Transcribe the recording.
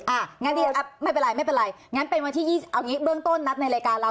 อ่ะงั้นดีไม่เป็นไรไม่เป็นไรงั้นเป็นวันที่๒เอางี้เบื้องต้นนัดในรายการเรา